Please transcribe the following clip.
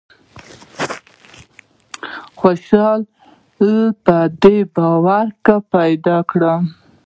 خوشالي په دې باور کې پیدا کړم.